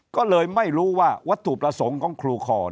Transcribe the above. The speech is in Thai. ก็เลยไม่รู้ว่าวัตถุประสงค์ของครูคอน